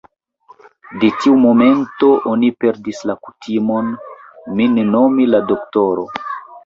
De tiu momento, oni perdis la kutimon, min nomi la doktoro.